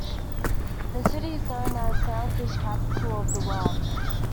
The city is known as the "Sailfish Capital of the World".